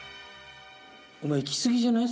お前いきすぎじゃない？